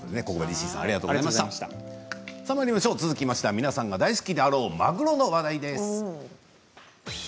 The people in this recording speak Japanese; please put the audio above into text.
続きましては皆さんが大好きなあのマグロの話題です。